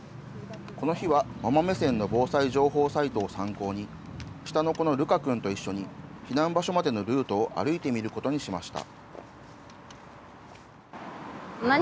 この日はママ目線の防災情報サイトを参考に、下の子の類翔君と一緒に避難場所までのルートを歩いてみることにしました。